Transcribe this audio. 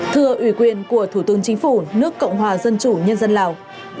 thưa ủy quyền của thủ tướng chính phủ nước cộng hòa dân chủ nhân dân lào